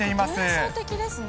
幻想的ですね。